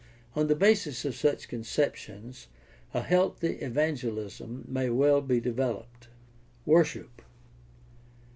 On the basis of such con ceptions a healthy evangelism may well be developed. Worship.